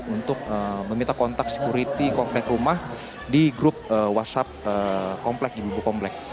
untuk meminta kontak sekuriti komplek rumah di grup whatsapp komplek ibu komplek